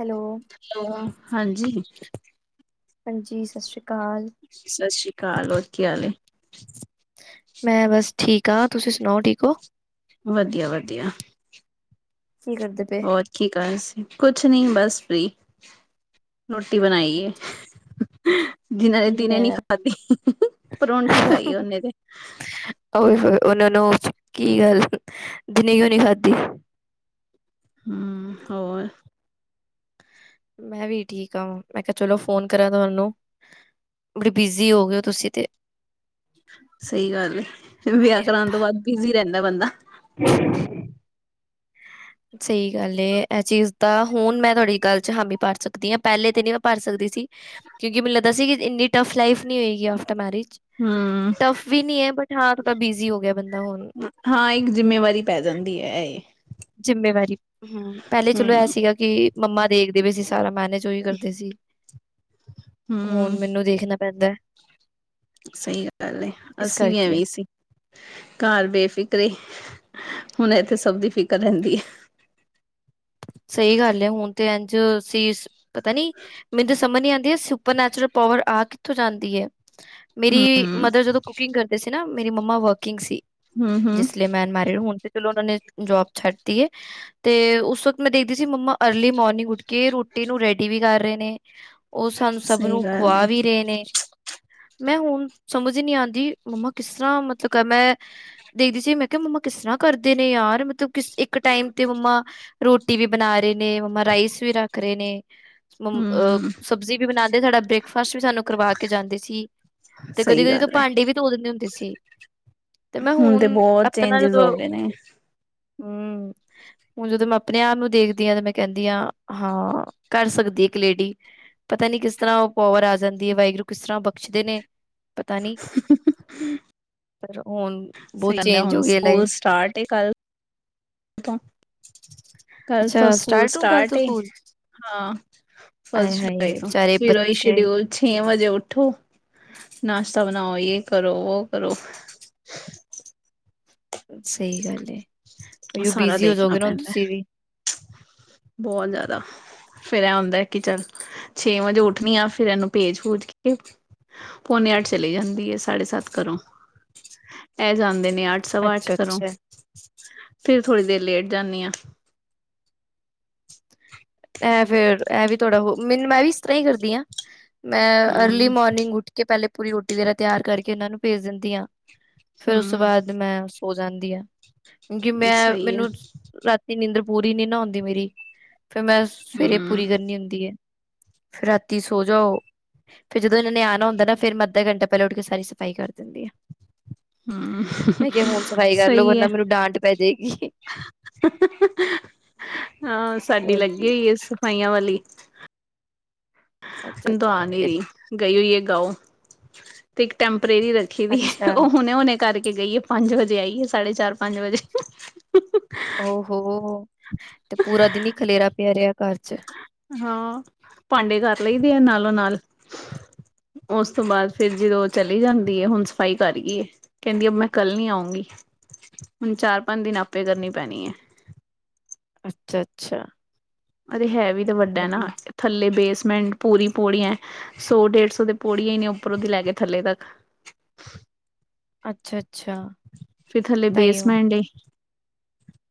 Hello ਹਾਂਜੀ ਹਾਂਜੀ ਸਤਿ ਸ਼੍ਰੀ ਅਕਾਲ ਸਤਿ ਸ੍ਰੀ ਅਕਾਲ ਹੋਰ ਕੀ ਹਾਲ ਏ ਮੈਂ ਬਸ ਠੀਕ ਹਾ ਤੁਸੀਂ ਸੁਣਾਓ ਠੀਕ ਹੋ? ਵਧੀਆ ਵਧੀਆ ਕੀ ਕਰਦੇ ਪਏ ਹੋਰ ਕੀ ਕਰ ਰਹੇ ਸੀ ਕੁਛ ਨੀਂ ਬਸ ਫ੍ਰੀ ਰੋਟੀ ਬਣਾਈ ਏ। ਅੱਛਾ, ਜਿਨਾਂ ਨੇ ਕੀ ਦਿਨੇ ਨੀ ਬਣਾਇਆ ਖਾਧੀ ਪਰੌਂਠੀ ਖਾਈ ਉਹਨੇ ਤੇ ਓਏ ਹੋਏ ਉਹਨਾਂ ਨੂੰ ਕੀ ਗੱਲ ਦਿਨੇ ਕਿਉ ਨੀ ਖਾਧੀ। ਹਮ ਹੋਰ ਮੈਂ ਵੀ ਠੀਕ ਆਾਂ ਮੈਂ ਕਿਹਾ ਚਲੋ ਫੋਨ ਕਰਾਂ ਤੁਹਾਨੂੰ ਬੜੀ ਬਿਜ਼ੀ ਹੋ ਗਏ ਹੋ ਤੁਸੀਂ ਤੇ ਸਹੀ ਗੱਲ ਏ ਵਿਆਹ ਕਰਾਉਣ ਤੋਂ ਬਾਅਦ ਬਿਜੀੀ ਰਹਿੰਦਾ ਬੰਦਾ। ਹਮ [inaudible] ਹ [inaudible] ਸਹੀ ਗੱਲ ਇਹ ਚੀਜ਼ ਤਾਂ ਹੁਣ ਮੈਂ ਤੁਹਾਡੀ ਗੱਲ ਚ ਹਾਮੀ ਭਰ ਸਕਦੀ ਆ ਪਹਿਲੇ ਤੇ ਨਹੀਂੀ ਮੈਂ ਭਰ ਸਕਦੀ ਸੀ। ਕਿਉਂਕਿ ਮੈਨੂੰ ਲੱਗਦਾ ਸੀ ਕਿ ਇੰਨੀ ਟਫ ਲਾਈਫ ਨਹੀਂੀ ਹੋਏਗੀ ਆਫਟਰ ਮੈਰਿਜ। ਹਮ ਟਫ ਵੀ ਨਹੀਂੀ ਏ ਬਟ ਹਾਂ ਥੋੜ੍ਹਾ ਬਿਜੀੀ ਹੋ ਗਿਆ ਬੰਦਾ ਹੁਣ ਹਾਂ ਇੱਕ ਜਿੰਮੇਵਾਰੀ ਪੈ ਜਾਂਦੀ ਏ ਇਹ ਐ। ਜਿੰਮੇਵਾਰੀ ਹਮ ਪਹਿਲੇ ਚਲੋ ਹਮ ਇਹ ਸੀਗਾ ਕਿ ਮੰਮਾ ਦੇਖਦੇ ਵੀ ਸੀ ਸਾਰਾ ਮੈਨੇਜ ਉਹੀ ਕਰਦੇ ਸੀ ਹਮ ਹੁਣ ਮੈਨੂੰ ਦੇਖਣਾ ਪੈਂਦਾ ਸਹੀ ਗੱਲ ਹੈ ਇਸ ਅੱਸੀਂ ਵੀ ਕਰਕੇ ਐਵੇੀ ਸੀ। ਘਰ ਬੇਫਿਕਰੇ ਹੁਣ ਇਥੇ ਸਭ ਦੀ ਫਿਕਰ ਰਹਿੰਦੀ ਏ। ਸਹੀ ਗੱਲ ਹੈ ਹੁਣ ਤੇ ਇੰਝ ਸੀ ਪਤਾ ਨੀ ਮੈਨੂੰ ਸਮਝ ਨੀ ਆਉਂਦੀ ਏ ਸੁਪਰਨੈਚੁਰਲ ਪਾਵਰ ਆਹ ਕਿੱਥੋਂ ਜਾਂਦੀ ਏ। ਹੈ ਮੇਰੀ ਹਮ ਮਦਰ ਜਦੋਂ ਕੁਕਿੰਗ ਕਰਦੇ ਸੀ ਨਾ ਮੇਰੀ ਮੰਮਾ ਵਰਕਿੰਗ ਸੀ। ਹਮ ਹਮ ਜਿਸ ਲਈ ਮੈ ਅਨਮੇਰਿਡ ਹੁਣ ਤੇ ਚਲੋ ਉਹਨਾਂ ਨੇ ਜੋਬ ਛੱਡ ਤੀ ਏ ਤੇ ਮੈਂ ਦੇਖਦੀ ਸੀ ਮੰਮਾ ਅਰਲੀ ਮੋਰਨਿੰਗ ਉੱਠ ਕੇ ਰੋਟੀ ਨੂੰ ਰੈਡੀ ਵੀ ਕਰ ਰਹੇ ਨੇ ਉਹ ਸਾਨੂੰ ਸਭ ਸਹੀ ਨੂੰ ਗੱਲ ਏ ਖੁਆ ਵੀ ਰਹੇ ਨੇ। ਮੈਂ ਹੁਣ ਸਮਝ ਹੀ ਨੀ ਆਉਂਦੀ ਮੰਮਾ ਕਿਸ ਤਰ੍ਹਾਂ ਮਤਲਬ ਕ ਮੈਂ ਦੇਖਦੀ ਸੀ, ਮੈਂ ਕਿਹਾ ਮੰਮਾ ਕਿਸ ਤਰ੍ਹਾਂ ਕਰਦੇ ਨੇ ਯਾਰ ਮਤਲਬ ਕਿਸ ਇੱਕ ਟਾਈਮ ਤੇ ਮੰਮਾ ਰੋਟੀ ਵੀ ਬਣਾ ਰਹੇ ਨੇ ਮੰਮਾ ਰਾਈਸ ਵੀ ਰੱਖ ਰਹੇ ਨੇ। ਅਹ ਹਮ ਸਬਜ਼ੀ ਵੀ ਬਣਾਉਂਦੇ ਸਾਡਾ ਬ੍ਰੇਕ ਫਰਸ਼ਟ ਵੀ ਸਾਨੂੰ ਕਰਵਾ ਕੇ ਜਾਂਦੇ ਸੀ, ਤੇ ਕਦੀ ਸਹੀ ਕਦੀ ਤੋਂ ਗੱਲ ਏ ਭਾਂਡੇ ਵੀ ਤੋ ਦਿੰਦੇ ਹੁੰਦੇ ਸੀ। ਤੇ ਮੈਂ ਹੁਣ ਬਹੁਤ ਆਪਣਾ ਚੇਂਜਿਸ ਜਦੋਂ ਹੋ ਗਏ ਨੇ ਹਮ ਹੁਣ ਜਦੋਂ ਮੈਂ ਆਪਣੇ ਆਪ ਨੂੰ ਦੇਖਦੀ ਹਾਂ, ਤੇ ਮੈਂ ਕਹਿੰਦੀ ਹਾਂ ਹਾਂ ਕਰ ਸਕਦੀ ਇੱਕ ਲੇਡੀ। ਪਤਾ ਨੀ ਕਿਸ ਤਰ੍ਹਾਂ ਉਹ ਪਾਵਰ ਆ ਜਾਂਦੀ ਹੈ, ਵਾਹਿਗੁਰੂ ਕਿਸ ਤਰ੍ਹਾਂ ਬਖਸ਼ਦੇ ਨੇ ਪਤਾ ਨੀ। ਬਚੇ ਹੁਣ। ਬਹੁਤ ਕਹਿੰਦੇ ਚੇਂਜ ਹੁਣ ਹੋ ਗਈ ਸਕੂਲ ਲਾਈਫ ਸਟਾਰਟ ਏ ਕੱਲ ਕੱਲ ਤੋਂ ਅੱਛਾ ਸਕੂਲ ਹੁਣ ਕੱਲ ਤੋਂ ਸਟਾਰਟ ਏ। ਸਕੂਲ ਹਾਂ ਆਏ ਫਸ ਫਿਰਈ ਹਾਏ ਤੋ ਵਿਚਾਰੇ ਮੇਰਾ ਵੀ ਬੱਚੇ ਸ਼ੇਡਊਲ ਛੇ ਵਜੇ ਉੱਠੋ ਨਾਸ਼ਤਾ ਬਣਾਓ ਯ ਕਰੋ ਉਹ ਕਰੋ! ਸਹੀ ਗੱਲ ਏ ਆਯੀ ਉਹ ਸਾਰਾ ਬਿਜ਼ੀ ਹੋ ਦੇਖਣਾ ਜਾਓਗੇ ਨਾ ਹੁਣ ਪੈਂਦਾ ਤੁਸੀਂ ਵੀ? ਬਹੁਤ ਜ਼ਿਆਦਾ ਫੇਿਰ ਇਹ ਹੁੰਦਾ ਕਿ ਚੱਲ ਛੇ ਵਜੇ ਉੱਠਣੀ ਆ ਫਿਰ ਇਹਨੂੰ ਭੇਜ ਭੂਜ ਕੇ ਪੋਨੇ ਅਠ ਚਲੀ ਜਾਂਦੀ ਐ ਸਾਢੇ ਸੱਤ ਘਰੋਂ ਇਹ ਜਾਣਦੇ ਨੇ ਅੱਠ ਸਵਾ ਅੱਠ ਅੱਛਾ ਕਰੋਂ ਅੱਛਾ ਫੇਿਰ ਥੋੜ੍ਹੀ ਦੇਰ ਲੇਟ ਜਾਂਦੀ ਆ। ਐਂ ਫੇਰ ਇਹ ਵੀ ਥੋੜਾ ਹੋ ਮੈਨੂੰ ਮੈਂ ਵੀ ਇਸ ਤਰ੍ਹਾਂ ਹੀ ਕਰਦੀ ਹਾਂ। ਮੈਂ ਅਰਲੀ ਹੂੰ ਮੋਰਨਿੰਗ ਉੱਠ ਕੇ ਪਹਿਲੇ ਪੂਰੀ ਰੋਟੀ ਵਗੈਰਾ ਤਿਆਰ ਕਰਕੇ ਇਹਨਾਂ ਨੂੰ ਭੇਜ ਦਿੰਦੀ ਹਾਂ। ਫੇਰ ਉਸ ਤੋਂ ਹੂੰ ਬਾਅਦ ਮੈਂ ਸੋ ਜਾਂਦੀ ਆ, ਕਿਉਂਕਿ ਮੈਂ ਸਹੀ ਹੈ ਮੈਨੂੰ ਰਾਤੀ ਨੀਂਦਰ ਪੂਰੀ ਨੀ ਨਾ ਆਉਂਦੀ ਮੇਰੀ ਫੇਰ ਮੈਂ ਸਵੇਰੇ ਹੂੰ ਪੂਰੀ ਕਰਨੀ ਹੁੰਦੀ ਹੈ, ਫਿਰ ਰਾਤੀ ਸੌ ਜਾਓ। ਫੇ ਜਦੋਂ ਇਹਨਾਂ ਨੇ ਆਉਣਾ ਹੁੰਦਾ ਫਿਰ ਅੱਧਾ ਘੰਟਾ ਪਹਿਲਾਂ ਉਠ ਕੇ ਸਾਰੀ ਸਫ਼ਾਈ ਕਰ ਦਿੰਦੀ ਆ। ਹੂੰ ਮੈਂ ਕਿਹਾ ਹੋੁਣ ਸਫ਼ਾਈ ਕਰ ਲੋ ਸਹੀ ਹੈ ਵਰਨਾ ਮੈਨੂੰ ਡਾਂਟ ਪੈ ਜਾਏਗੀ। ਹਾਂ ਸਾਡੀ ਹੋਰ ਕੀ ਲੱਗੀ ਹੋਈ ਹੈ, ਸਫਾਈਆਂ ਵਾਲੀ। ਹੁਣ ਤੋਂ ਅੱਛਾ-ਅੱਛਾ, ਆ ਨਹੀਂ ਇ ਹੀ ਰਹੀ ਗਈ ਹੋਈਏ ਗਾਓ ਤੇ ਇੱਕ ਟੈਂਪਰੇਰੀ ਰ ਖੇਵੀ ਅੱਛਾ, ਉਹ ਹੁਣੇ, ਹੁਣੇ ਕਰਕੇ ਗਈਏ ਪੰਜ ਵਜੇ ਆਈਏ ਸਾਢੇ ਚਾਰ, ਪੰਜ ਵਜੇ ਹ ਹ ਔ ਹੋ ਤੇ ਪੂਰਾ ਦਿਨ ਹੀ ਖਲੇਰਾ ਪਿਆ ਰਿਹਾ ਘਰ ਚ। ਹਾਂ ਭਾਂਡੇ ਕਰ ਲਈਦੇ ਆ ਨਾਲੋਂ- ਨਾਲ ਉਸ ਤੋਂ ਬਾਅਦ ਫਿਰ ਜਦੋਂ ਚਲੀ ਜਾਂਦੀ ਹੈ ਹੁਣ ਸਫ਼ਾਈ ਕਰ ਗਈ ਏ। ਕਹਿੰਦੀ ਅ ਮੈਂ ਕੱਲ ਨੀ ਆਊਂਗੀ, ਹੁਣ ਚਾਰ, ਪੰਜ ਦਿਨ ਆਪੇ ਕਰਨੀ ਪੈਣੀ ਹੈ। ਅੱਛਾ ਅੱਛਾ ਅਰੇ ਹੈ ਵੀ ਤਾਂ ਵੱਡਾ ਨਾ ਥੱਲੇ ਬੇਸਮੈਂਟ ਪੂਰੀ ਪੌੜੀਯ ਸੌ ਡੇਢ ਸੌ ਤੇ ਪੌੜੀਆਂ ਹੀ ਨੇ ਉੱਪਰੋਂਦੀ ਲੈ ਕੇ ਥੱਲੇ ਤੱਕ। ਅੱਛਾ ਅੱਛਾ ਤਾਈਓ [unintelligible] ੇਨਹੀਂ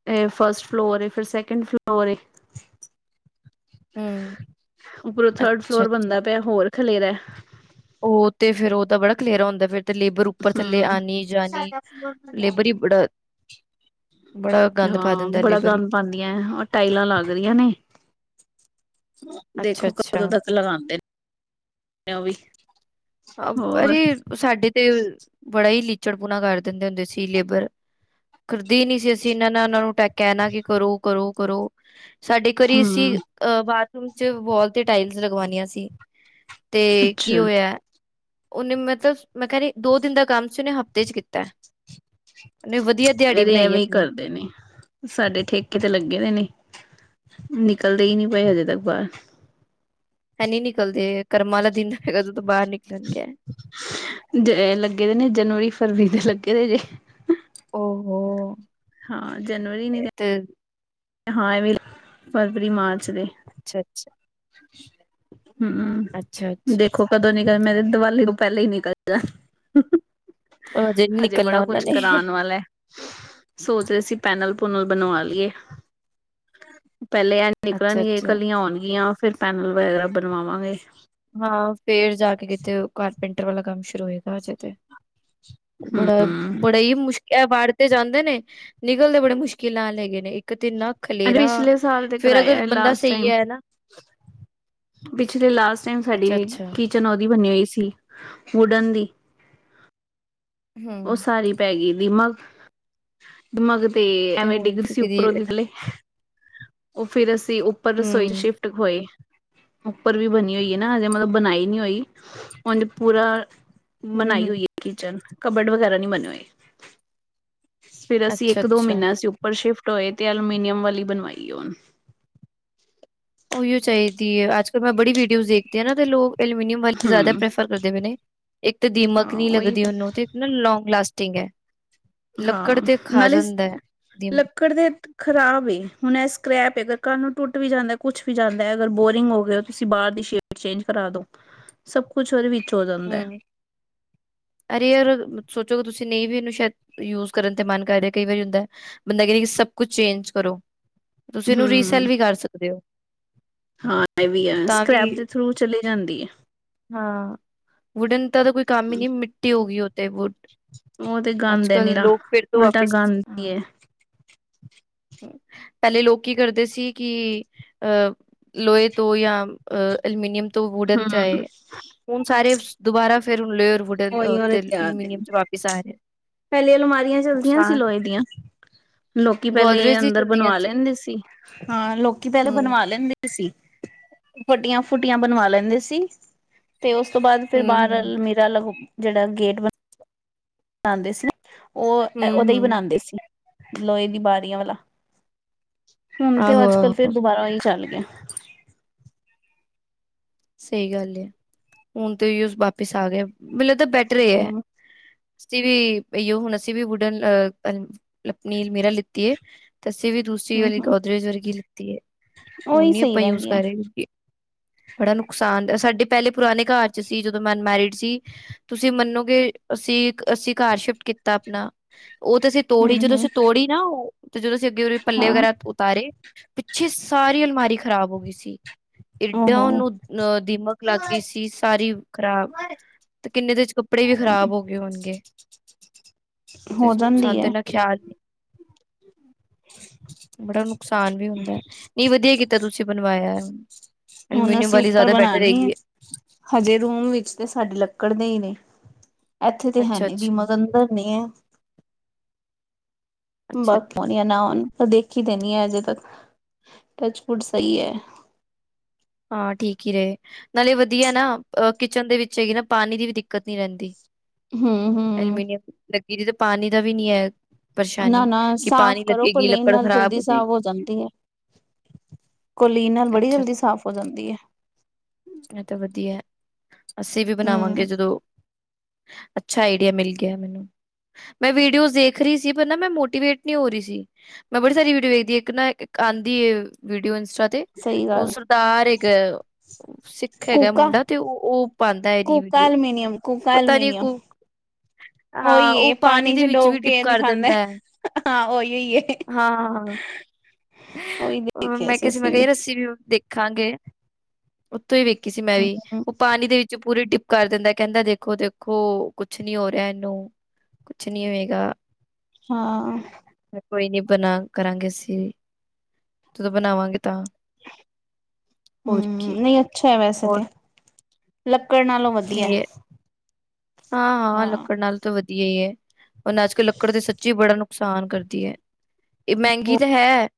ਇਹ ਫਸਟ ਫਲੋਰ ਏ, ਫਿਰ ਸੈਕਿੰਡ ਫਲੋਰ ਏ। ਹੂੰ, ਉਪਰੋਂ ਥਰਡ ਫਲੋਰ ਅੱਛਾ-ਅੱਛਾ। ਬੰਦਾ ਪਿਆ ਹੋਰ ਖਲੇਰਾ ਉਹ ਤੇ ਫੇਰ ਉਹ ਤਾਂ ਬੜਾ ਖਲੇਰਾ ਹੁੰਦਾ ਫਿਰ ਤੇ ਲੇਬਰ ਉੱਪਰ ਥੱਲੇ ਹੂੰ, ਆਣੀ ਜਾਣੀ ਲੇਬਰ ਹੀ ਬੜਾ ਬੜਾ ਗੰਦ ਪਾ ਦਿੰਦਾ ਲੇਬਰੀ। ਪਾਉਂਦੀਆਂ ਉਹ ਟਾਇਲਾਂ ਲੱਗ ਰਹੀਆਂ ਨੇ ਦੇਖੋ ਅੱਛਾ-ਅੱਛਾ। ਕਦੋਂ ਤੱਕ ਲਗਾੰਦੇ ਨੇ। ਉਹ ਵੀ ਹੋਰ ਅਰੇ ਸਾਡੇ ਤੇ ਬੜਾ ਹੀ ਲੀਚੜਪੁਣਾ ਕਰ ਦਿੰਦੇ ਹੁੰਦੇ ਸੀ ਲੇਬਰ। ਕਰਦੀ ਨੀ ਸੀ ਅਸੀਂ ਇਹਨਾਂ ਨੇ ਇਹਨਾਂ ਨੂੰ ਕਹਨਾ ਨਾ ਕਿ ਕਰੋ, ਕਰੋ, ਕਰੋ ਸਾਡੇ ਇੱਕ ਵਾਰੀ ਹੂੰ ਅਸੀਂ ਅਹ ਬਾਥਰੂਮ ਚ ਵਾਲ ਤੇ ਟਾਇਲਸ ਲਗਵਾਾਨੀਆਂ ਸੀ ਤੇ ਅੱਛਾ ਕੀ ਹੋਇਆ ਉਹਨੇ ਮਤਲਬ ਮੈਂ ਕਿਹਾ ਦੋ ਦਿਨ ਦਾ ਕੰਮ ਸੀ ਉਹਨੇ ਹਫਤੇ ਚ ਕੀਤਾ। ਉਹਨੇ ਵਧੀਆ ਦਿਹਾੜੀ ਬਣਾਈ। ਦੇਣੀ ਸਾਡੇ ਠੇਕੇ ਤੇ ਲੱਗੇ ਨੇ ਨੇ। ਨਿਕਲਦੇ ਹੀ ਨਹੀਂ ਪਏ ਹਜੇ ਤੱਕ ਬਾਹਰ। ਹੈਨੀ ਨਿਕਲਦੇ। ਕਰਮਾਂ ਵਾਲਾ ਦਿਨ ਹੋਏਗਾ, ਜਦੋਂ ਤੋਂੋਂ ਬਾਹਰ ਨਿਕਲਣਗੇ। ਜ ਲੱਗੇ ਦੇ ਨੇ ।ਜਨਵਰੀ, ਫਰਵਰੀ ਦੇ ਲੱਗੇ ਦੇ ਜੇ। ਓਹੋ।। ਹਾਂ ਜਨਵਰੀ ਨ ਅਤੇ ਹਾਂ ਵੀ ।ਫਰਵਰੀ ਮਾਰਚ ਦੇ। ਅੱਛਾ ਅੱਛਾ! ! ਹਮ! ਅੱਛਾ ਅੱਛਾ ! ਦੇਖ ਖੋ ਕਦੋਂ ਨੀਕਲ ।ਮੇਰੇ ਦੀਵਾਲੀ ਤੋਂ ਪਹਿਲਾਂ ਹੀ ਨਿਕਲਦਾ। ਉਹ ਨੀ ਹਜੇ ਨਿਕਲਣਾ ਬੜਾ ਉਹਨਾਂ ਕੁਛ ਨੇ ਕਰਾਉਣ ਵਾਲਾ ਹੈ। ਸੋਚ ਰਹੇ ਸੀ ਪੈਨਲ ਪੂਨਲ ਬਣਵਾ ਲਈਏ। ਪਹਿਲੇ ਐ ਅੱਛਾ ਨਿਕਲਣਗੇ ਅੱਛਾ ਕੱਲੀਆਂ ਹੋਣਗੀਆਂ ਫਿਰ ਪੈਨਲ ਵਗੈਰਾ ਬਣਵਾਵਾਂਗੇ। ਹਾਂ ਫੇਰ ਜਾ ਕੇ ਕਿਤੇ ਕਾਰਪੈਂਟਰ ਵਾਲਾ ਕੰਮ ਸ਼ੁਰੂ ਹੋਏਗਾ ਹਜੇ ਤੇ। ਬੜਾ, ਹਮ ਬੜਾ ਹੀ ਮੁਸ਼ ਇਹ ਵੜ ਤੇ ਜਾਂਦੇ ਨੇ ਨਿਕਲਦੇ ਬੜੇ ਮੁਸ਼ਕਿਲ ਨਾਲ ਹੈਗੇ ਨੇ ਇੱਕ ਤੇ ਈੰਨਾ ਅਰੇ ਖਲੇਰਾ ਪਿਛਲੇ ਸਾਲ ਤੇ ਫੇਰ ਅਗਰ ਕਰਾਇਆ ਬੰਦਾ ਲਾਸਟ ਸਹੀ ਟਾਈਮ ਹੈ ਨਾ ਪਿਛਲੇ ਲਾਸਟ ਟਾਈਮ ਸਾਡੀ ਅੱਛਾ ਅੱਛਾ ਕੀ ਚਨੌ ਦੀ ਬਣੀ ਹੋਈ ਸੀ। ਵੁਡਨ ਦੀ। ਉਹ ਹਮ ਸਾਰੀ ਪੈ ਗਈ ਦੀਮਗ। ਦਿਮਾਗ ਤੇ ਐਵੇਂ ਹੁਣ ਡਿੱਗ ਰੀ ਫਿਰ ਸੀ ਕਿਦੀ ਉੱਪਰੋਂਦੇ ਥਲੇ। ਉਹ ਫੇਿਰ ਅਸੀਂ ਉ ਪਰ ਰਸੋਈ ਹਮ ਸ਼ਿਫਟ ਹੋਏ। ਉੱਪਰ ਵੀ ਬਣੀ ਹੋਈ ਹੈ ਨਾ । ਹਜੇ ਮਤਲਬ ਬਣਾਈ ਨੀ ਹੋਈ ।ਉਂਜ ਪੂਰਾ ਹਮ ਬਨਾਈ ਹਮ ਹੋਈ ਹੈ ਕਿਚਨ। ਕਬਡ ਵਗੈਰਾ ਨਹੀਂੀ ਬਣੇ ਹੋਏ। ਫਿਰ ਅਸੀਂ ਅੱਛਾ ਇੱਕ ਦੋ ਅੱਛਾ ਮਹੀਨਾ ਅਸੀਂ ਉੱਪਰ ਸ਼ਿਫਟ ਹੋਏ, ਤੇ ਅਲਮੀਨੀਅਮ ਵਾਲੀ ਬਣਵਾਈ ਹੁਣ । ਉਹੀਓ ਚਾਹੀਦੀ ਹੈ ।ਅੱਜ ਕੱਲ੍ਹ ਮੈਂ ਬੜੀ ਵੀਡੀਓਜ਼ ਦੇਖਦੀ ਆ ਨਾ, ਤੇ ਲੋਕ ਅਲਮਮੀਨੀਅਮ ਵਾਲੇ ਜ਼ਿਆਦਾ ਹੂੰ ਪ੍ਰੈਫਰ ਕਰਦੇ ਨੇ । ਇੱਕ ਤਾਂ ਦੀਮਕ ਹਾਂ ਨੀ ਉਹੀ ਲੱਗਦੀ ਉਹਨੂੰ ਤੇ ਨਾ ਲੌਗ ਲਾਸਟਿੰਗ ਹੈ। ਲੱਕੜ ਤੇ ਖਾ ਜਾਂਦਾ ਦੀਮਕ । ਕਰਦੇ ਖ਼ਰਾਬ ਏ ।ਹੁਣ ਇਹ ਸਕ੍ਰੈਪ ਏ ।ਅਗਰ ਕਲ ਨੂੰ ਟੁੱਟ ਵੀ ਜਾਂਦਾ। ਕੁੱਛ ਵੀ ਜਾਂਦਾ ।ਅਗਰ ਬੋਰਿੰਗ ਹੋ ਗਏ ਹੋ ਤੁਸੀਂ ।ਬਾਹਰ ਦੀ ਸ਼ੇਪ ਐਕਸਚੇਂਜ ਕਰਾ ਦਿਉ। ।।। ਸਭ ਕੁਛ ਉਹਦੇ ਵਿੱਚ ਹੋ ਜਾਂਦਾ। ਅਰੇ ਯਾਰ, ਸੋਚੋਗੇ ਤੁਸੀਂ ਨਹੀਂ ਵੀ ਇਹਨੂੰ ਸ਼ਾਇਦ ਯੂਜ ਕਰਨ ਤੇ ਮਨ ਕਰਦੇ ।ਕਈ ਵਾਰੀ ਹੁੰਦਾ ਬੰਦਾ ਕਹਿੰਦੇ ਕਿ, ਸਭ ਕੁਛ ਚੇਂਜ ਕਰੋ। ਤੁਸੀਂ ਇਹਨੂੰ ਹੂੰ ਰੀਸੈਲ ਵੀ ਕਰ ਸਕਦੇ ਹੋ। ਹਾਂ ਇਹ ਵੀ ਹੈ। ਤਾਂ ਵੀ ਸਕ੍ਰੈਪ ਦੇ ਥਰੂ ਚਲੀ ਜਾਂਦੀ ਹੈ। ਹਾਂ! ! ਵੁੱਡਨ ਦਾ ਤਾਂ ਕੋਈ ਕੰਮ ਹੀ ਨਹੀਂ ਮਿੱਟੀ ਹੋ ਗਈ ਉਹ ਤੇ, ਵੁੱਡ। ਉਹ ਤੇ ਅੱਜ ਗੰਦ ਏ ਕਲ ਨਿਰਾ ਲੋਕ ਫਿਰ ਤੋਂ ਉਲਟਾ ਵਾਪਿਸ, ਗੰਦ ਈ ਹਾਂ! ਏ ! ਪਹਿਲੇ ਲੋਕ ਕੀ ਕਰਦੇ ਸੀ? ਕਿ, ਅਹ ਲੋਹੇ ਤੋਂ ਯਾਂ ਅਲਮੀਨੀਅਮ ਤੋਂ, ਵੂਡਨ ਹੂੰ ਚਾਹੇ ਸਾਰੇ ਦੁਬਾਰਾ ਫਿਰਰ ਵੁਡਨ ਉਹੀ ਉਹਨੇ ਤਿਆਰ ਹੈ ਅਲੂਮੀਨੀਅਮ ਚ ਵਾਪਿਸ ਆ ਰਹੇ। ਪਹਿਲੇ ਅਲਮਾਰੀਆਂ ਚਲਦੀਆਂ ਸੀ ਨੁਕਸਾਨ ਲੋਹੇ ਦੀਆਂ। ਲੋਕੀ ਪਹਿਲੇ ਗੋਦਰੇਜ ਦੀ ਅੰਦਰ ਚਲਦੀਆਂ ਬਣਵਾ ਲੈਂਦੇ ਸੀ ।ਹਾਂ, ਲੋਕੀ ਪਹਿਲੇ ਹੂੰ ਬਣਵਾ ਲੈਂਦੇ ਸੀ। ਫੱਟੀਆਂ ਫੁਟੀਆਂ ਬਣਵਾ ਲੈਂਦੇ ਸੀ। ਤੇ ਉਸ ਤੋਂ ਬਾਅਦ ਫਿਰ ਹੂੰ ਹੂੰ ਬਾਹਰਲ ਮੀਰਾ ਲ ਜਿਹੜਾ ਗੇਟ ਬ ਬਣਾਉਂਦੇ ਸੀ। ਉਹ, ਹੂੰ ਉਹਦੇ ਹੀ ਹੂੰ ਬਣਾਉਂਦੇ ਸੀ ।ਲੋਹੇ ਦੀ ਬਾਰੀਆਂ ਵਾਲਾ। ਹੁਣ ਤੇ ਅੱਜ ਆਹੋ-ਆਹੋ ਕੱਲ ਫਿਰ ਦੁਬਾਰਾਹੀ ਚੱਲ ਗਿਆ। ਸਹੀ ਗੱਲ ਹੈ ।ਹੁਣ ਤੇ ਵਾਪਿਸ ਆ ਗਯਾ । ਮੈਨੂੰੱ ਤਾਂ ਬੈਟਰ ਇਹ ਹੈ। ਹਮ ਅਸੀਂ ਵੀ ਇਓ, ਹੁਣ ਅਸੀਂ ਵੀ ਵੁਢਣ ਅਹ ਲਪਨੀ ਅਲਮੀਰਾ ਲਿੱਤੀ ਏ। ਤੇ ਅਸੀਂ ਵੀ ਦੂਸਰੀ ਹਮ ਵਾਲੀ ਹਮ ਗੋਦਰਰੇਜ ਵਰਗੀ ਲਿੱਤੀ ਏ। ਹੁਣ ਉਹੀ ਨੀ ਸਹੀ ਅਪਾਂ ਯੂਜ ਰਹਿੰਦੀ ਹੈ ਕਰ ਰਹੇ ਬੜਾ ਨੁਕਸਾਨ, ਸਾਡੇ ਪਹਿਲੇ ਪੁਰਾਣੇ ਘਰ ਚ ਸੀ ਜਦੋਂ ਮੈਂ ਅਨਮੈਰਿਡ ਸੀ। ਤੁਸੀਂ ਮੰਨੋਗੇ ਅਸੀਂ, ਅਸੀਂ ਘਰ ਸ਼ਿਫਟ ਕੀਤਾ ਆਪਣਾ ਉਹ ਤੇ ਅਸੀਂ ਤੋੜੀ, ਹਮ ਜਦੋਂ ਹਮ ਅਸੀਂ ਤੋੜੀ ਨਾ ਉਹ ਤੇ ਜਦੋਂ ਅਸੀਂ ਅੱਗੇ ਉਦੇ ਪੱਲੇ ਹਾਂ ਵਗੈਰਾ ਉਤਾਰੇ ਪਿੱਛੇ ਸਾਰੀ ਅਲਮਾਰੀ ਖਰਾਬ ਹੋ ਗਈ ਸੀ। ਏਡਾਂ ਉਹੋ ਉਹਨੂੰ ਅ ਦੀਮਕ ਲੱਗ ਗਈ ਸੀ ਸਾਰੀ ਖਰਾਬ ਤੇ ਕਿੰਨੇ ਦੇ ਇਚ ਕੱਪੜੇ ਵੀ ਖਰਾਬ ਹੋ ਗਏ ਹੋਣਗੇ। ਹੋ ਜਾਂਦੀ ਸ਼ਾਨੁ ਹੈ ਤੇ ਇਨਾ ਖਿਆਲ ਬੜਾ ਨੁਕਸਾਨ ਵੀ ਹੁੰਦੈ, ਨਹੀਂ ਵਧੀਆ ਈ ਕੀਤਾ ਤੁਸੀਂ ਬਣਵਾਇਐ। ਹੁਣ ਅਸੀਂ ਉੱਪਰ ਬਣਾਣੀ ਏ ।ਹਜੇ ਰੂਮ ਵਿੱਚ ਤੇ ਸਾਡੇ ਲੱਕੜ ਦੇ ਹੀ ਨੇ। ਇੱਥੇ ਤੇ ਅੱਛਾ ਹੈਨੀੀ ਅੱਛਾ ਦੀਮਕ ।ਅੰਦਰ ਨੀ ਹੈ। ਅੱਛਾ ਬਾਕ ਅੱਛਾ ਹੋਣ ਜਾਂ ਨਾ ਹੋਣ ।ਪਰ ਦੇਖੀ ਤੇ ਨਹੀਂ ਹੈ ਅਜੇ ਤੱਕ। ਟਚਵੁਡ ਸਹੀ ਹੈ। ਹਾਂ ਠੀਕ ਹੀ ਰਹੇ ।ਨਾਲੇ ਵਧੀਆ ਨਾ ਅ, ਕਿਚਨ ਦੇ ਵਿੱਚ ਹੈਗੀ ਨਾ ਪਾਣੀ ਦੀ ਵੀ ਦਿੱਕਤ ਨੀ ਰਹਿੰਦੀ। ਹੂੰ ਹੂੰ ਐਲਮੀਨੀਅਮ ਲੱਗੀ ਰਹੇ ।ਤੇ ਪਾਣੀ ਦਾ ਵੀ ਨਹੀਂੀ ਹੈ। ਨਾ ਪਰੇਸ਼ਾਨੀ ਨਾ ਕਿ ਸਾਫ਼ ਪਾਣੀ ਕਰੋ ਲੱਗੇਗੀ ਕਲੇਨ ਲੱਕੜ ਨਾਲ। ਖ਼ਰਾਬ ਜਲਦੀ ਜਾਏਗੀ ਸਾਫ਼ ਹੋ ਜਾਂਦੀ ਹੈ। ਕੋਲੀਨ ਨਾਲ ਬੜੀ ਅੱਛਾ ਜਲਦੀ ਅੱਛਾ ਸਾਫ਼ ਹੋ ਜਾਂਦੀ ਏ। ਇਹ ਤਾਂ ਵਧੀਐ ਅਸੀਂ ਵੀ ਬਣਾਵਾਂਗੇ ਹੂੰ ਜਦੋਂ ਅੱਛਾ ਆਈਡੀਆ ਮਿਲ ਗਿਆ ਮੈਨੂੰ। ਮੈਂ ਵੀਡੀਓਜ਼ ਦੇਖ ਰਹੀ ਸੀ, ਪਰ ਨਾ ਮੈਂ ਮੋਟੀਵੇਟ ਨਹੀਂ ਹੋ ਰਹੀ ਸੀ। ਮੈਂ ਬੜੀ ਸਾਰੀ ਵੀਡੀਓ ਵੇਖਦੀ ਇੱਕ ਨਾ ਇੱਕ ਆਂਦੀ ਏ ਵੀਡੀਓ ਇੰਸਟਾ ਤੇ ਸਹੀ ਉਹ ਗੱਲ ਸਰਦਾਰ ਇੱਕ ਸਿੱਖ ਹੈਗਾ ਕੂਕਾ ਮੁੰਡਾ ਤੇ ਉਹ, ਉਹ ਪਾਉਂਦਾ ਇਹਦੀ ਕੂਕਾ ਵੀਡੀਔ। ਅਲਮੀਨੀਅਮ ਕੂਕਾ ਪਤਾ ਨੀ ਅਲਮੀਨੀਅਮ ਕੋ ਹਾਂ ਉਹੀ ਏ ਉਹ ਪਾਣੀ ਦੇ ਚ ਵਿੱਚ ਵੀ ਡੋਬ ਡਿਪ ਕੇ ਕਰ ਦਿਖਾਂਦਾ ਦੇਂਦੈ। ਹਾਂ ਉਹੀਔ ਈ ਏ। ਉਹੀ ਦੇਖਿਆ ਮੈਂ ਕਿਹਾ ਸੀ, ਮੈਂ ਅਸੀਂ ਕਿਹਾ ਰੱਸੀ ਵੀ ਦੇਖ ਰਖਾਂਗੇ, ਉੱਥੋਂ ਹੀ ਵੇਖੀ ਸੀ ਮੈਂ ਵੀ ਹੂੰ ਉਹ ਪਾਣੀ ਦੇ ਵਿੱਚ ਵਿੱਚ ਪੂਰੀ ਟਿਪ ਕਰ ਦਿੰਦਾ ਕਹਿੰਦਾ ਦੇਖੋ ਦੇਖੋ ਕੁਛ ਨੀ ਹੋ ਰਿਹਾ ਇਹਨੂੰ ਕੁਛ ਨਹੀਂ ਹੋਏਗਾ। ਹਾਂ। ਕੋਈ ਨੀ ਬਣਾ ਕਰਾਂਗੇ ਅਸੀਂ ਵੀ। ਜਦੋਂ ਬਣਾਵਾਂਗੇ ਤਾਂ, ਹੋਰ ਹੂੰ ਕੀ। ਨਹੀਂ ਅੱਛਾ ਹੈ ਵੈਸੇ ਔਰ ਤੇ ਲੱਕੜ ਨਾਲੋਂ ਵਧੀਐ। ਹਾਂ, ਹਾਂ ਲੱਕੜ ਨਾਲੇ ਤਾਂ ਵਧੀਆ ਹੀ ਏ। ਹੁਣ ਅੱਜ ਕੱਲ ਲੱਕੜ ਦੀ ਸੱਚੀ ਬੜਨ ਨੂੰ ਨੁਕਸਾਨ ਕਰਦੀ ਏ, ਇਹ ਮਹਿੰਗੀ ਤਾਂ ਹੈ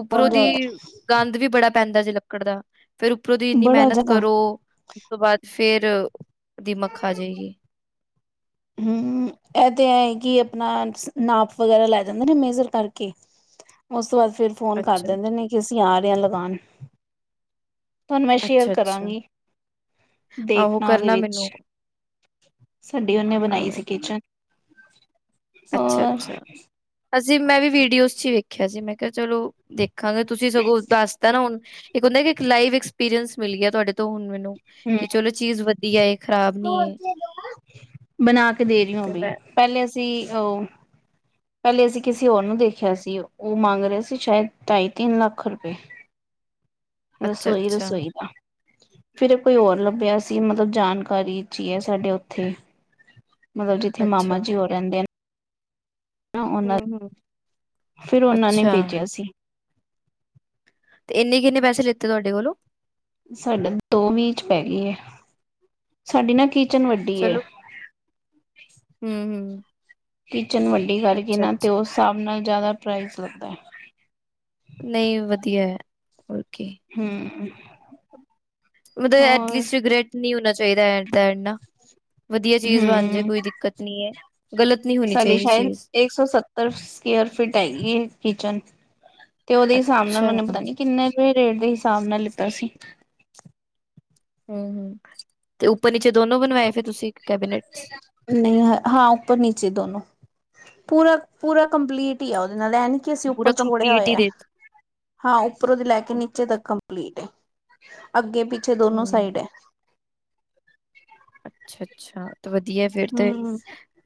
ਉਪਰੋਂ ਜ਼ਿਆਦਾ ਦੀ ਗੰਦ ਵੀ ਬੜਾ ਪੈਂਦਾ ਜੇ ਲੱਕੜ ਦਾ, ਫਿਰ ਉੱਪਰੋਂ ਦੀ ਇੰਨੀ ਬੜਾ ਮਿਹਨਤ ਜ਼ਿਆਦਾ ਕਰੋ ਉਸ ਤੋਂ ਬਾਅਦ ਫੇਰ ਦੀਮਕ ਖਾ ਜਾਏਗੀ। ਹਮ ਇਹ ਤੇ ਐ ਕਿ ਆਪਣਾ ਨਾਪ ਵਗੈਰਾ ਲੈ ਜਾਂਦੇ ਨੇ ਮੇਜਰ ਕਰਕੇ ਉਸ ਤੋਂ ਬਾਅਦ ਫਿਰ ਫੋਨ ਕਰ ਅੱਛਾ, ਦਿੰਦੇ ਨੇ ਕਿ ਅਸੀਂ ਆ ਰਹੇ ਹਾਂ ਲਗਾਨ। ਤੁਹਾਨੂੰ ਮੈਂ ਸ਼ੇਅਰ ਅੱਛਾ-ਅੱਛਾ। ਕਰਾਂਗੀ, ਆਹੋ ਦੇਖਣਾ ਉਹਦੇ ਕਰਨਾ ਵਿੱਚ ਮੈਨੂੰ ਸਾਡੀ ਉਹਨੇ ਬਣਾਈ ਸੀ ਕਿਚਨ ਅੱਛਾ, ਹੋਰ ਅੱਛਾ ਅਸੀਂ ਮੈਂ ਵੀ ਵੀਡੀਓਜ਼ ਚ ਵੇਖੀ ਦੇਖਿਆ ਸੀ, ਮੈਂ ਕਿਹਾ ਚਲੋ ਦੇਖਾਂਗੇ ਤੁਸੀਂ ਸਗੋਂ ਦੱਸਤਾ ਨਾ ਹੁਣ ਇਕ ਹੁੰਦਾ ਇੱਕ ਲਾਈਵ ਐਕਸਪੀਰੀਅੰਸ ਮਿਲ ਗਿਆ ਤੁਹਾਡੇ ਤੋਂ ਹੁਣ ਮੈਨੂੰ। ਹੂੰ ਕਿ ਚਲੋ ਚੀਜ਼ ਵਧੀਆ ਏ ਖ਼ਰਾਬ ਨੀ ਏ। ਬਣਾ ਕੇ ਦੇ ਰਹੀ ਹੋ ਫਿਰ ਵੀ ਮੈਂ ਪਹਿਲੇ ਅਸੀਂ ਉਹ ਪਹਿਲੇ ਅਸੀਂ ਕਿਸੇ ਹੋਰ ਨੂੰ ਦੇਖਿਆ ਸੀ। ਉਹ ਮੰਗ ਰਹੇ ਸੀ ਸ਼ਾਇਦ ਢਾਈ ਤਿੰਨ ਲੱਖ ਰੁਪਏ ਅੱਛਾ, ਰਸੋਈ ਅੱਛਾ, ਰਸੋਈ ਦਾ। ਫਿਰ ਕੋਈ ਹੋਰ ਲੱਭਿਆ ਸੀ, ਮਤਲਬ ਜਾਣਕਾਰੀ ਚੀ ਹੈ। ਸਾਡੇ ਉੱਥੇ [inaudible] ਮਤਲਬ ਜਿੱਥੇ ਮਾਮਾ ਅੱਛਾ। ਜੀ ਉਹ ਰਹਿੰਦੇ ਨੇ ਨਾ ਉਹਨਾਂ, ਹੂੰ, ਹੂੰ, ਫਿਰ ਉਹਨਾਂ ਨੇ ਅੱਛਾ ਭੇਜਿਆ ਸੀ। ਤੇ ਇੰਨੇ ਕਿੰਨੇ ਪੈਸੇ ਲਤੇ ਤੁਹਾਡੇ ਕੋਲੋਂ? ਸਾਡਾ ਦੋਵੀਂਚ ਪੈ ਗਈ ਹੈ ।ਸਾਡੀ ਨਾ ਕੀਚ ਚਲੋ ਹਮ ਹਮ। ਕਿਚਨ ਵੱਡੀ ਕਰਕੇਿ ਨਾ ਅਤੇ ਉਸ ਹਿਸਾਬ ਨਾਲ ਜ਼ਿਆਦਾ ਪ੍ਰਾਈਜ਼ ਲੱਗਦਾ ਹੈ। ਨਹੀਂ ਵਧੀਆ ਹੈ ਹੋਰ ਕੀ। ਹਮ ਮਤਲਬ ਹੋਰ ਐਟਲੀਸਟ ਰਿਗਰੈਟ ਨਹੀਂ ਹੋਣਾ ਚਾਹੀਦਾ ਐਡ ਦਾ ਐ। ਵਧੀਆ ਚੀਜ਼ ਬਣ ਜਾੇ ਕੋਈ ਦਿੱਕਤ ਨੀ ਹੈ। ਗਲਤ ਨਹੀਂ। ਸਾਡੀੇ ਸ਼ਾਇਦ ਇੱਕ ਸੌ ਸੱਤਰ ਸਕਿਅਰ ਫਿਟ ਹੈਗੀ ਏ ਕਿਚਨ ਤੇ ਉਹਦੇ ਹਿਸਾਬ ਨਾਲ ਅੱਛਾ ਉਹਨੇ ਪਤਾ ਹੂੰ, ਨੀ ਕਿੰਨੇ ਕੁ ਰੇਟ ਦੇ ਹਿਸਾਬ ਨਾਲ ਲਿੱਤਾ ਸੀ। ਹਮ, ਹਮ ਤੇ ਉੱਪਰ ਨੀਚੇ ਦੋਨੋ ਬਣਵਾਏ ਫਿਰ ਤੁਸੀਂ ਇੱਕ ਕੈਬਨਿਟ ਨਹੀਂ ਹਾਂ ਉੱਪਰ ਨੀਚੇ ਦੋਨੋ ਪੂਰਾ, ਪੂਰਾ ਕੰਪਲੀਟ ਹੀ ਆ ਉਹਦੇ ਨਾਲ ਐ ਨੀ ਕੀ ਅਸੀਂ ਪੂਰਾ ਉੱਪਰ ਛੋੜਿਆ ਕੰਪਲੀਟ ਹੀ ਹੋਇਐ। ਦੇ ਹਾਂ ਉੱਪਰੋਂ ਦੀ ਲੈ ਕੇ ਨੀਚੇ ਤੱਕ ਕੰਪਲੀਟ ਏ। ਅੱਗੇ ਪਿੱਛੇ ਦੋਨੋ ਹੂੰ ਸਾਈਡ ਹੈ। ਅੱਛਾ ਅੱਛਾ ਤੇ ਵਧੀਆ ਫਿਰ ਤੇ, ਹਮ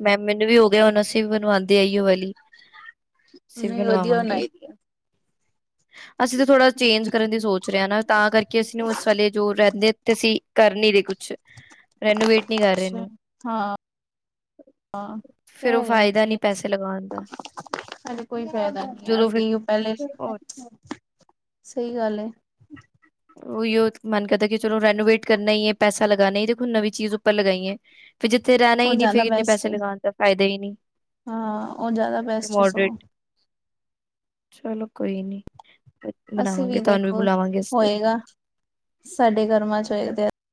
ਮੈਂ ਮੈਨੂੰ ਵੀ ਹੋ ਗਿਆ ਹੁਣ ਅਸੀਂ ਵੀ ਮਨੂੰਵਾਉਂਦੇ ਏਹਿਔ ਵਾਲੀ। ਅਸੀਂ ਵੀ ਨਈ ਵਦਿਆ । ਬਣਵਾਵਾਂਗੇ ਅਸੀਂ ਤਾਂ ਥੋੜਾ ਚੇਂਜ ਕਰਨ ਦੀ ਸੋਚ ਰਹੇਾਂ ਨਾ ਤਾਂ ਕਰਕੇ ਅਸੀਂ ਨੂੰ ਇਸ ਵੇਲੇ ਜੋ ਰਹਿੰਦੇਥ ਅਸੀਂ ਕਰ। ਮੇਰੇ ਕੁਛ। ਰੈਨੂੰ ਵੇਟ ਨੀ ਕਰ ਰਹੇ ਅੱਛਾ ਏਹਨੂੰ। ਹਾਂ ਹਾਂ ਫੇਰ ਉਹ ਕੇਹ ਰਹੇ ਫਾਇਦਾ ਨੇ। ਨੀ ਪੈਸੇ ਲਗਾਉਣ ਦਾ ਚੱਲ ਕੋਈ ਫਾਇਦਾ ਨੀ ਜਦੋਂ ਫਿਰ ਅੱਗੇ ਉਹ ਪਹਿਲੇ। ਉਹ ਸਹੀ ਗੱਲ ਏ। ਉਹੀਓ ਮਨ ਕਰਦਾ ਕਿ ਚਲੋ ਰੈਨੋਵੇਟ ਕਰਨਾ ਹੀ ਹੈ ਪੈਸਾ ਲਗਾਉਣਾ ਹੀ ਦੇਖੋ ਨਵੀਂ ਚੀਜ਼ ਉੱਪਰ ਲਗਾਈ ਹੈ। ਫਿਰ ਜਿੱਥੇ ਰਹਿਣਾ ਉਹ ਹੀ ਨਹੀਂ ਫਿਰ ਜ਼ਿਆਦਾ ਇੰਨੇ ਬੈਸਟ ਪੈਸੇ ਹੈ ਲਗਾਉਣ ਦਾ ਫਾਇਦਾ ਹੀ ਨਹੀਂ। ਹਾਂ ਉਹ ਜ਼ਿਆਦਾ ਤੇ ਬੈਸਟ ਹੈ ਮੋਡਰੇਟ ਸਗੋਂ। ਚਲੋ ਕੋਈ ਨੀ। ਬ- ਅਸੀਂ ਵੀ ਬਣਾਵਾਂਗੇ ਤੁਹਾਨੂੰ ਦੇਖੋ ਬੁਲਾਵਾਂਗੇ ਅਸੀਂ। ਹੋਏਗਾ ਸਾਡੇ ਕਰਮਾਂ ਚ ਹੋਏ।